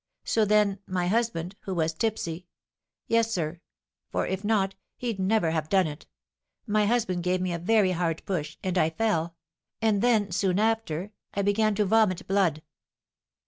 So then, my husband, who was tipsy, yes, sir, for if not, he'd never have done it, my husband gave me a very hard push, and I fell; and then, soon after, I began to vomit blood."